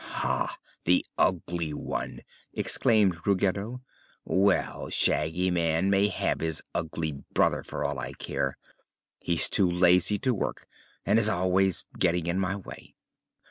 "Ha, the Ugly One!" exclaimed Ruggedo. "Well, Shaggy Man may have his ugly brother, for all I care. He's too lazy to work and is always getting in my way.